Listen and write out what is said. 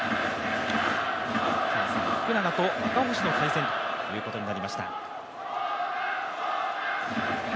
福永と赤星の対戦ということになりました。